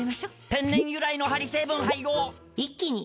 天然由来のハリ成分配合一気に！